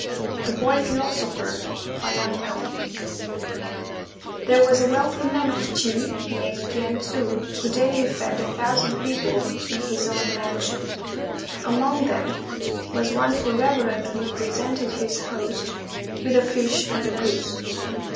THE BOY PHILOSOPHER There was a wealthy man of Chi, named T'ien Tsu, who daily fed a thousand people in his own mansion. Among them was one who reverently presented his host with a fish and a goose.